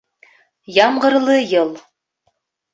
Ямғырлы йыл